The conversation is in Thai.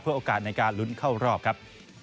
โอกาสในการลุ้นเข้ารอบครับ